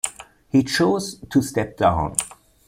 He chose to step down.